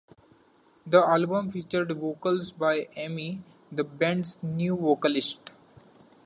The album featured vocals by Aimee, the band's new vocalist.